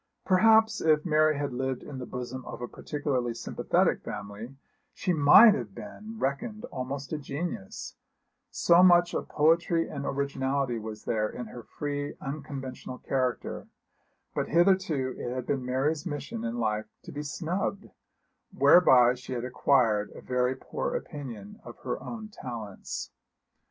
Perhaps if Mary had lived in the bosom of a particularly sympathetic family she might have been reckoned almost a genius, so much of poetry and originality was there in her free unconventional character; but hitherto it had been Mary's mission in life to be snubbed, whereby she had acquired a very poor opinion of her own talents.